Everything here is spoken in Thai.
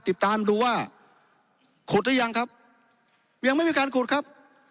ติดตามดูว่าขุดหรือยังครับยังไม่มีการขุดครับ